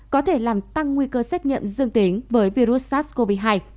có thể làm tăng nguy cơ xét nghiệm dương tính với virus sars cov hai